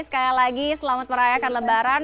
sekali lagi selamat merayakan lebaran